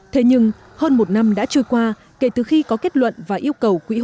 thế nhưng hơn một năm đã trôi qua kể từ khi có kết luận và yêu cầu